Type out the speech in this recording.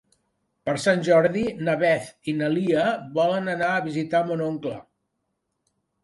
Per Sant Jordi na Beth i na Lia volen anar a visitar mon oncle.